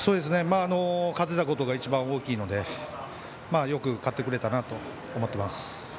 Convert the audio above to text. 勝てたことが一番大きいのでよく勝ってくれたなと思っています。